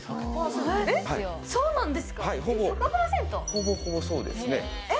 ほぼほぼそうですね。